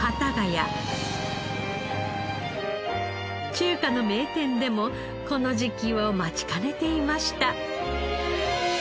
中華の名店でもこの時期を待ちかねていました。